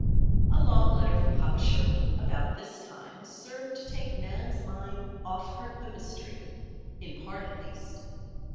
A long letter from Papa Sherwood about this time served to take Nan's mind off the mystery, in part, at least.